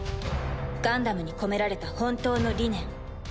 ガンダムに込められた本当の理念。